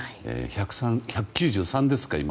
１９３ですか、今。